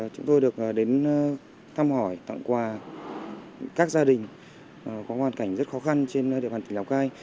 chúng tôi được đến thăm hỏi tặng quà các gia đình có hoàn cảnh rất khó khăn trên địa bàn tỉnh lào cai